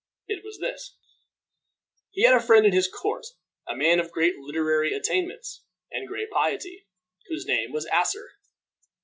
It was this: He had a friend in his court, a man of great literary attainments and great piety, whose name was Asser.